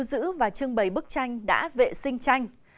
do nơi lưu giữ và trưng bày bức tranh đã vệ sinh tranh